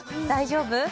大丈夫？